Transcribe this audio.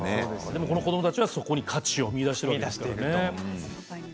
でも子どもたちがそこに価値を見いだしているんですよね。